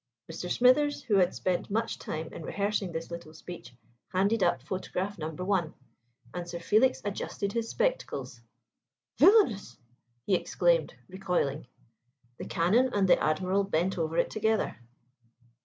Mr. Smithers, who had spent much time in rehearsing this little speech, handed up photograph No. 1; and Sir Felix adjusted his spectacles. "Villainous!" he exclaimed, recoiling. The Canon and the Admiral bent over it together.